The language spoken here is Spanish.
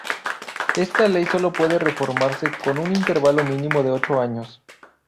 Esta ley sólo puede reformarse con un intervalo mínimo de ocho años.